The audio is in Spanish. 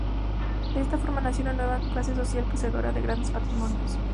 De esta forma nació una nueva clase social poseedora de grandes patrimonios.